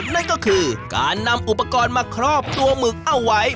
นั่นก็คือการนำอุปกรณ์มาครอบตัวหมึกเอาไว้